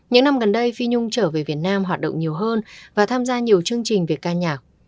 những năm gần đây phi nhung trở về việt nam hoạt động nhiều hơn và tham gia nhiều chương trình về ca nhạc